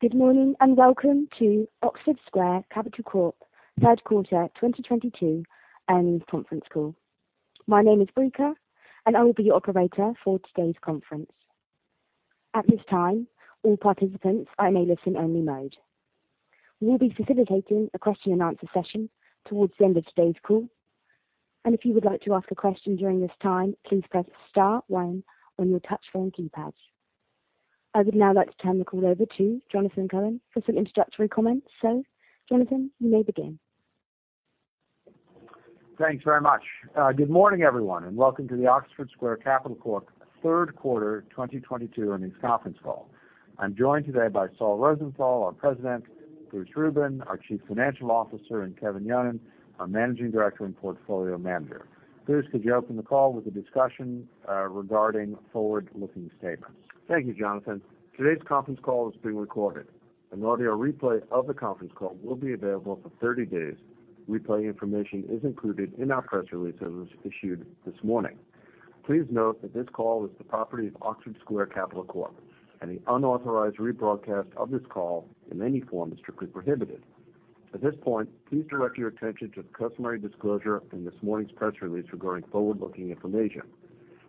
Good morning, and welcome to Oxford Square Capital Corp third quarter 2022 earnings conference call. My name is Brika, and I will be your operator for today's conference. At this time, all participants are in a listen-only mode. We will be facilitating a question and answer session towards the end of today's call. If you would like to ask a question during this time, please press star one on your touch phone keypad. I would now like to turn the call over to Jonathan Cohen for some introductory comments. Jonathan, you may begin. Thanks very much. Good morning, everyone, and welcome to the Oxford Square Capital Corp third quarter 2022 earnings conference call. I'm joined today by Sol Rosenthal, our president, Bruce Rubin, our chief financial officer, and Kevin P. Yonon, our managing director and portfolio manager. Bruce, could you open the call with a discussion regarding forward-looking statements? Thank you, Jonathan. Today's conference call is being recorded. An audio replay of the conference call will be available for 30 days. Replay information is included in our press release that was issued this morning. Please note that this call is the property of Oxford Square Capital Corp, and the unauthorized rebroadcast of this call in any form is strictly prohibited. At this point, please direct your attention to the customary disclosure in this morning's press release regarding forward-looking information.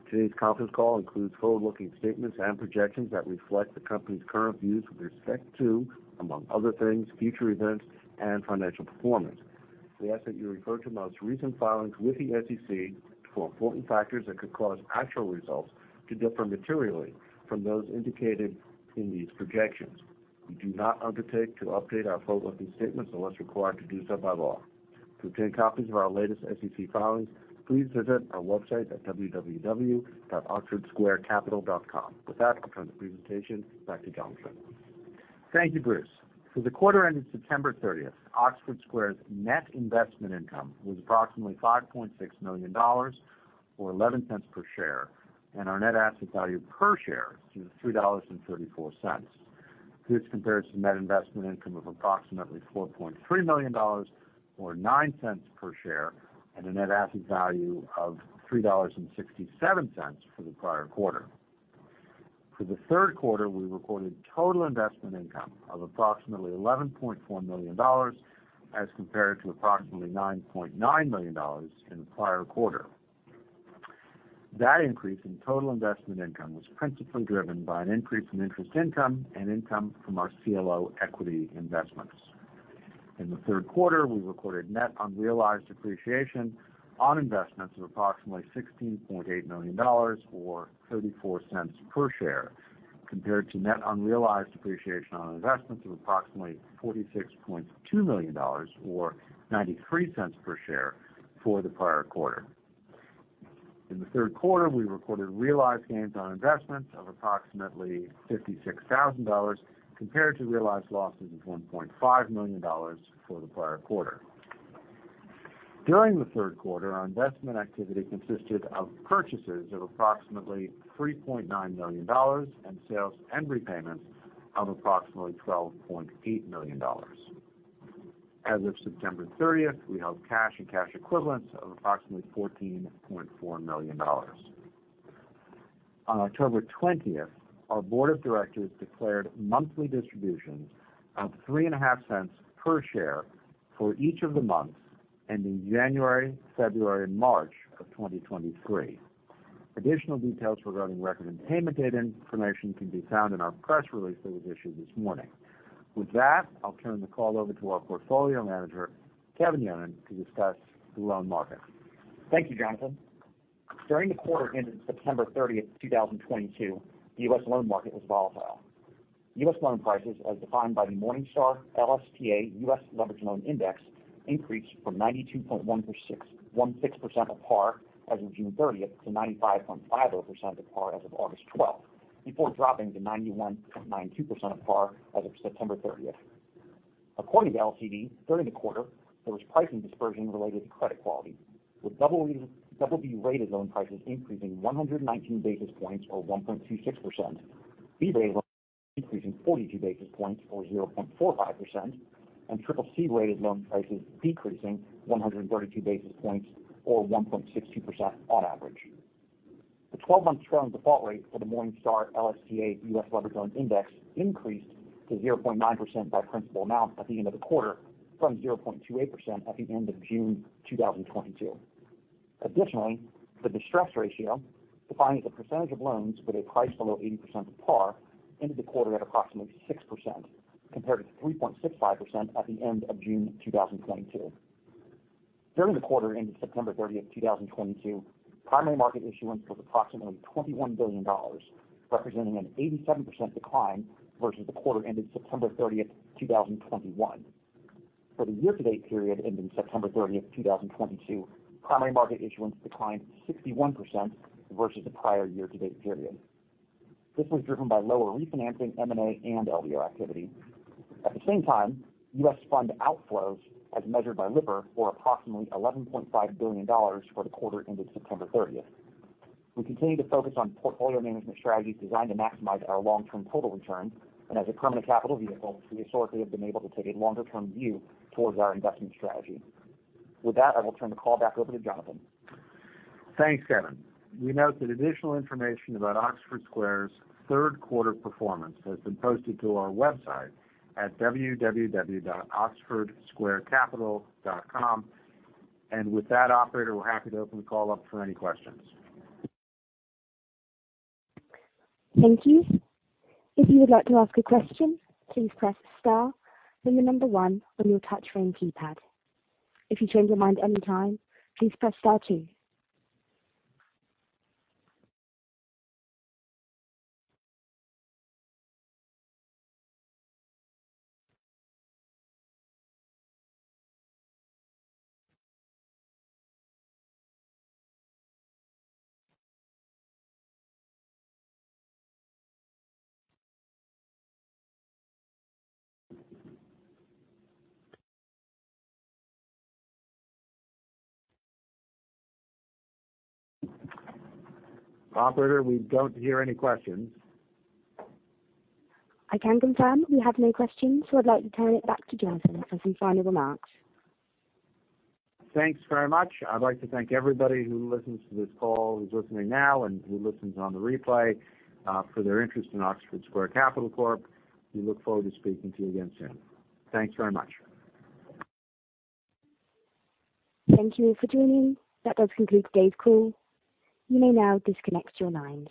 Today's conference call includes forward-looking statements and projections that reflect the company's current views with respect to, among other things, future events and financial performance. We ask that you refer to most recent filings with the SEC for important factors that could cause actual results to differ materially from those indicated in these projections. We do not undertake to update our forward-looking statements unless required to do so by law. To obtain copies of our latest SEC filings, please visit our website at www.oxfordsquarecapital.com. With that, I'll turn the presentation back to Jonathan. Thank you, Bruce. For the quarter ending September 30th, Oxford Square's net investment income was approximately $5.6 million, or $0.11 per share. Our net asset value per share is $3.34. This compares to net investment income of approximately $4.3 million, or $0.09 per share. A net asset value of $3.67 for the prior quarter. For the third quarter, we recorded total investment income of approximately $11.4 million as compared to approximately $9.9 million in the prior quarter. That increase in total investment income was principally driven by an increase in interest income and income from our CLO equity investments. In the third quarter, we recorded net unrealized appreciation on investments of approximately $16.8 million or $0.34 per share, compared to net unrealized appreciation on investments of approximately $46.2 million or $0.93 per share for the prior quarter. In the third quarter, we recorded realized gains on investments of approximately $56,000 compared to realized losses of $1.5 million for the prior quarter. During the third quarter, our investment activity consisted of purchases of approximately $3.9 million and sales and repayments of approximately $12.8 million. As of September 30th, we held cash and cash equivalents of approximately $14.4 million. On October 20th, our board of directors declared monthly distributions of $0.035 per share for each of the months ending January, February, and March of 2023. Additional details regarding record and payment date information can be found in our press release that was issued this morning. With that, I'll turn the call over to our portfolio manager, Kevin Yonan, to discuss the loan market. Thank you, Jonathan. During the quarter ending September 30th, 2022, the U.S. loan market was volatile. U.S. loan prices, as defined by the Morningstar LSTA US Leveraged Loan Index, increased from 92.16% of par as of June 30th to 95.50% of par as of August 12th, before dropping to 91.92% of par as of September 30th. According to LCD, during the quarter, there was pricing dispersion related to credit quality, with BB-rated loan prices increasing 119 basis points or 1.26%, B-rated loans increasing 42 basis points or 0.45%, and CCC-rated loan prices decreasing 132 basis points or 1.62% on average. The 12-month trend default rate for the Morningstar LSTA US Leveraged Loan Index increased to 0.9% by principal amount at the end of the quarter from 0.28% at the end of June 2022. The distress ratio, defining the percentage of loans with a price below 80% of par, ended the quarter at approximately 6%, compared to 3.65% at the end of June 2022. During the quarter ending September 30th, 2022, primary market issuance was approximately $21 billion, representing an 87% decline versus the quarter ending September 30th, 2021. For the year-to-date period ending September 30th, 2022, primary market issuance declined 61% versus the prior year-to-date period. This was driven by lower refinancing, M&A, and LBO activity. At the same time, U.S. fund outflows, as measured by Lipper, were approximately $11.5 billion for the quarter ending September 30th. We continue to focus on portfolio management strategies designed to maximize our long-term total return, and as a permanent capital vehicle, we historically have been able to take a longer-term view towards our investment strategy. With that, I will turn the call back over to Jonathan. Thanks, Kevin. We note that additional information about Oxford Square's third quarter performance has been posted to our website at www.oxfordsquarecapital.com. With that, operator, we're happy to open the call up for any questions. Thank you. If you would like to ask a question, please press star, then the number one on your touch phone keypad. If you change your mind any time, please press star two. Operator, we don't hear any questions. I can confirm we have no questions. I'd like to turn it back to Jonathan for some final remarks. Thanks very much. I'd like to thank everybody who listens to this call, who's listening now, and who listens on the replay, for their interest in Oxford Square Capital Corp. We look forward to speaking to you again soon. Thanks very much. Thank you for joining. That does conclude today's call. You may now disconnect your lines.